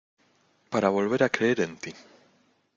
para volver a creer en ti.